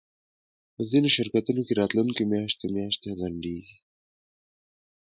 په ځینو شرکتونو کې راتلونکی میاشتې میاشتې ځنډیږي